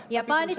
ya pak anies